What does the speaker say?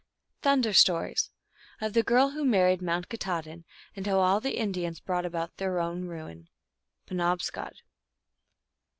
THUNDER STORIES. Of the Girl ivho married Mount Katahdin, and how all the Indians brought about their own Ruin. (Penobscot.)